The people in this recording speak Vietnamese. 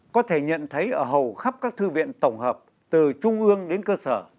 có thể nhận thấy ở hầu khắp các thư viện tổng hợp từ trung ương đến cơ sở